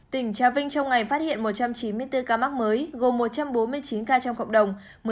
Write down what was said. tỉnh trà vinh trong ngày phát hiện một trăm chín mươi bốn ca mắc mới gồm một trăm bốn mươi chín ca trong cộng đồng